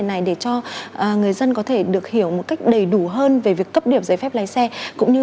này để cho người dân có thể được hiểu một cách đầy đủ hơn về việc cấp điểm giấy phép lái xe cũng như